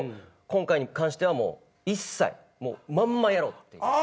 今回に関してはもう一切まんまやろうっていう。